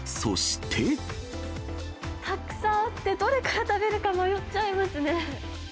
たくさんあって、どれから食べるか迷っちゃいますね。